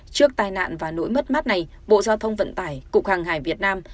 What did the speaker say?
trước tai nạn và nỗi mất mát này bộ giao thông vận tải cục hàng hải việt nam